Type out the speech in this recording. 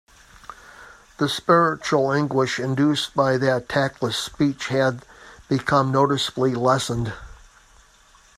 The spiritual anguish induced by that tactless speech had become noticeably lessened.